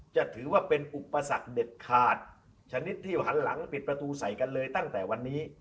จะถือว่าเป็นอุปสรรคเด็ดขาดชนิดที่หันหลังปิดประตูใส่กันเลยตั้งแต่วันนี้